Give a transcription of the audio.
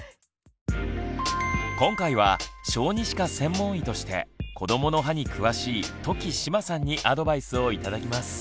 今回は小児歯科専門医として子どもの歯に詳しい土岐志麻さんにアドバイスを頂きます。